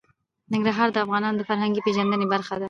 ننګرهار د افغانانو د فرهنګي پیژندنې برخه ده.